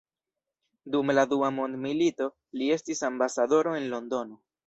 Dum la dua mondmilito, li estis ambasadoro en Londono.